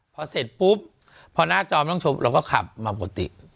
พอเสร็จปุ๊บพอหน้าจอมันต้องชมเราก็ขับมาปกติ